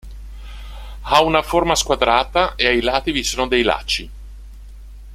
Ha una forma squadrata e ai lati vi sono dei lacci.